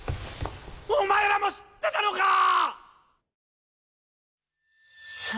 お前らも知ってたのかぁ！！